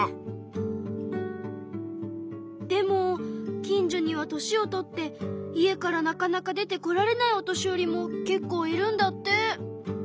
でも近所には年を取って家からなかなか出て来られないお年寄りもけっこういるんだって。